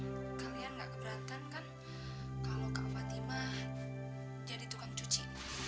hai kalian nggak keberatan kan kalau kak fatimah jadi tukang cuci